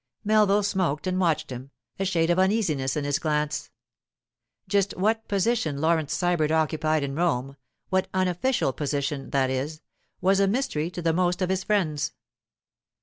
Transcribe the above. Melville smoked and watched him, a shade of uneasiness in his glance. Just what position Laurence Sybert occupied in Rome—what unofficial position, that is—was a mystery to the most of his friends.